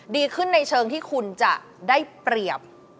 ดีขึ้นในเชิงที่คุณจะได้เปรียบ